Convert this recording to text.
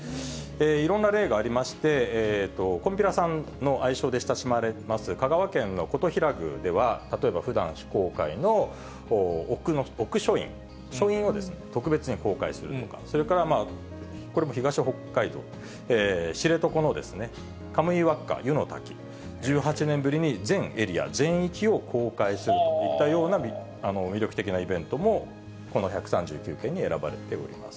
いろんな例がありまして、こんぴらさんの愛称で親しまれます、香川県の金刀比羅宮では、例えばふだん、非公開の奥書院、書院を特別に公開するとか、それから、これも東北海道、知床のカムイワッカ湯の滝、１８年ぶりに、全エリア全域を公開するといったような魅力的なイベントも、この１３９件に選ばれております。